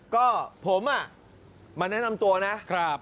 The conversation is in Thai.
ก็ผมมาแนะนำตัวนะ